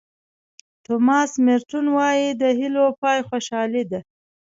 توماس مېرټون وایي د هیلو پای خوشالي ده.